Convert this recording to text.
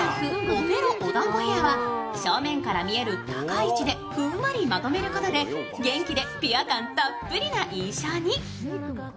おフェロおだんごヘアは正面から見える高い位置でふんわりまとめることで元気でピュア感たっぷりな印象に。